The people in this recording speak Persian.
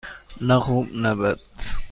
نه خوب - نه بد.